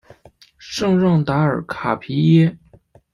圣让达尔卡皮耶。